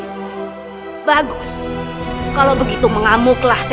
tiba tiba saya akan beritahu orang lain